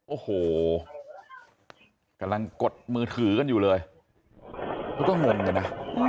โอ้โหกำลังกดมือถือกันอยู่เลยเขาก็งงกันนะ